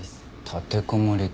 立てこもりか。